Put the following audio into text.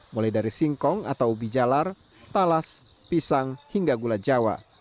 mulai dari singkong atau ubi jalar talas pisang hingga gula jawa